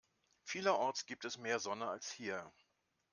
Vielerorts gibt es mehr Sonne als hier.